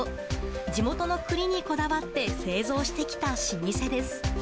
地元の栗にこだわって製造してきた老舗です。